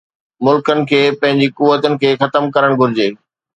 ملڪن کي پنهنجي قوتن کي ختم ڪرڻ گهرجي